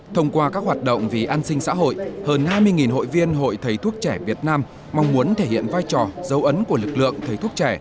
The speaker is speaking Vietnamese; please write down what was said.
thông qua các hoạt động vì an sinh xã hội hơn hai mươi hội viên hội thầy thuốc trẻ việt nam mong muốn thể hiện vai trò dấu ấn của lực lượng thầy thuốc trẻ